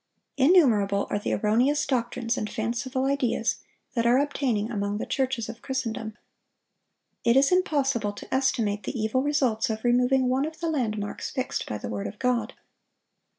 Innumerable are the erroneous doctrines and fanciful ideas that are obtaining among the churches of Christendom. It is impossible to estimate the evil results of removing one of the landmarks fixed by the word of God.